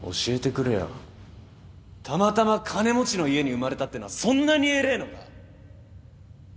たまたま金持ちの家に生まれたってのはそんなに偉えのか？